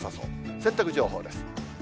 洗濯情報です。